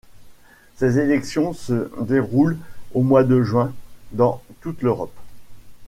Ces élections se déroulent au mois de juin dans toute l'Europe.